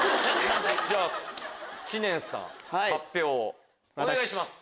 じゃあ知念さん発表お願いします。